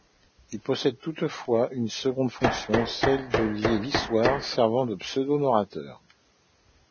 Il possède toutefois une seconde fonction, celle de lier l'histoire, servant de pseudo-narrateur.